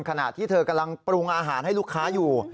ขณะที่เธอกำลังปรุงอาหารให้ลูกค้าอยู่